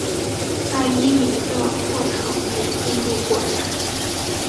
在伊犁的霍城也进入果园。